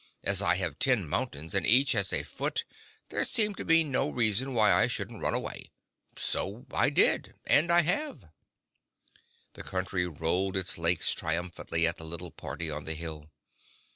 As I have ten mountains and each has a foot there seemed to be no reason why I shouldn't run away, so I did—and I have!" The Country rolled its lakes triumphantly at the little party on the hill.